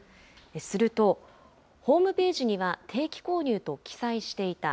すると、ホームページには定期購入と記載していた。